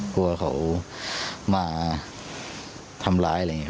กลัวเขามาทำร้ายอะไรอย่างนี้